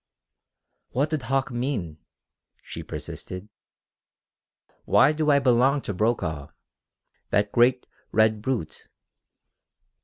"What did Hauck mean?" she persisted. "Why do I belong to Brokaw that great, red brute?"